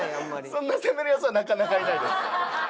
そんな攻めるヤツはなかなかいないです。